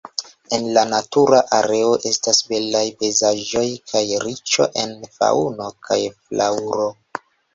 En la natura areo estas belaj pejzaĝoj kaj riĉo en faŭno kaj flaŭro.